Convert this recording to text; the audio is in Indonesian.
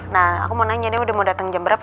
nah aku mau nanya nih udah mau datang jam berapa